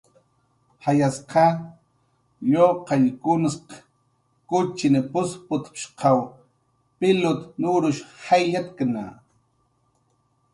"Jayas lluqallkunsq kuchin p""usputp""shqaw pilut nurush jayllatkna."